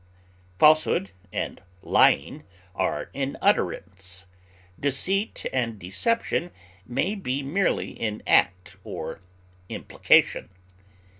Falsehood and lying are in utterance; deceit and deception may be merely in act or implication.